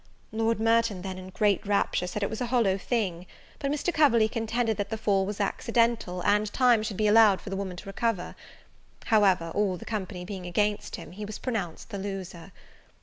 Lord Merton then, in great rapture, said it was a hollow thing; but Mr. Coverley contended, that the fall was accidental, and time should be allowed for the woman to recover. However, all the company being against him, he was pronounced the loser.